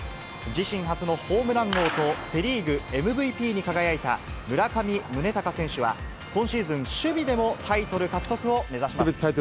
自身初のホームラン王と、セ・リーグＭＶＰに輝いた村上宗隆選手は、今シーズン、守備でもタイトル獲得を目指します。